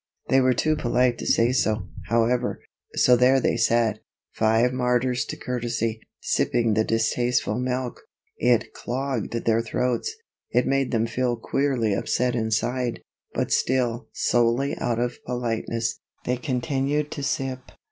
They were too polite to say so, however, so there they sat, five martyrs to courtesy, sipping the distasteful milk. It clogged their throats, it made them feel queerly upset inside, but still, solely out of politeness, they continued to sip.